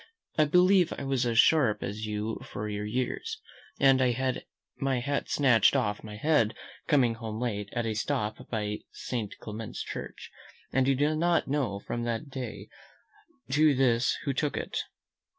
I believe I was as sharp as you for your years, and I had my hat snatched off my head coming home late at a stop by St. Clement's church, and I do not know from that day to this who took it.